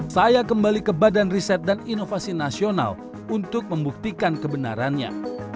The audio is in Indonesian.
saya kembali ke badan riset dan inovasi nasional untuk membuktikan kebenarannya